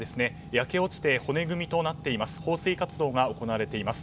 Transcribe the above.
焼け落ちて骨組みとなっています。